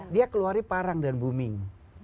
dia keluari parang dan booming